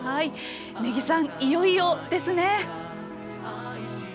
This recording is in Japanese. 根木さん、いよいよですね。